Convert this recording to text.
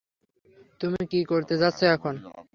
তুমি কি করতে যাচ্ছ এখন?